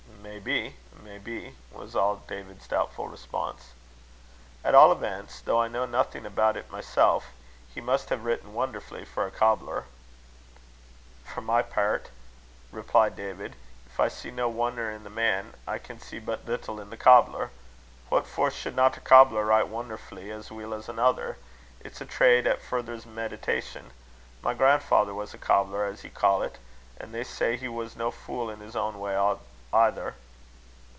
"Maybe, maybe," was all David's doubtful response. "At all events, though I know nothing about it myself, he must have written wonderfully for a cobbler." "For my pairt," replied David, "if I see no wonder in the man, I can see but little in the cobbler. What for shouldna a cobbler write wonnerfully, as weel as anither? It's a trade 'at furthers meditation. My grandfather was a cobbler, as ye ca't; an' they say he was no fule in his ain way either."